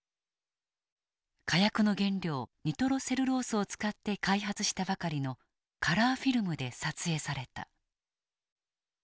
火薬の原料ニトロセルロースを使って開発したばかりのカラーフィルムで撮影された。